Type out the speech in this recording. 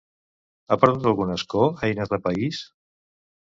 Ha perdut algun escó Eines de País?